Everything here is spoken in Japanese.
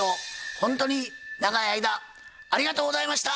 ほんとに長い間ありがとうございました。